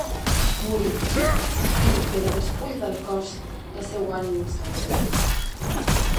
Morí; i, de la despulla del cos la seua ànima salva.